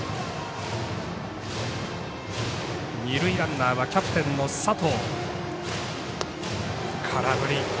二塁ランナーはキャプテンの佐藤。